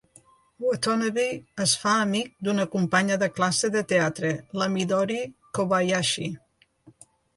Watanabe es fa amic d'una companya de classe de teatre, la Midori Kobayashi.